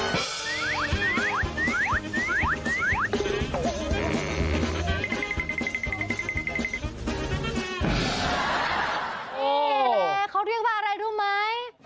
นี่แหละเขาเรียกว่าอะไรรู้ไหม